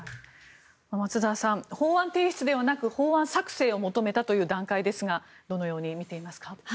松澤さん法案提出ではなく法案作成を求めたという段階ですがどのように見ていますか。